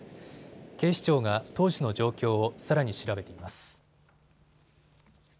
警視庁が当時の状況をさらに調べています。